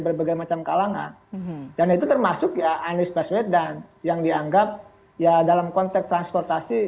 berbagai macam kalangan dan itu termasuk ya anies baswedan yang dianggap ya dalam konteks transportasi